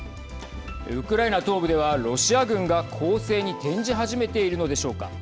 ウクライナ東部ではロシア軍が攻勢に転じ始めているのでしょうか。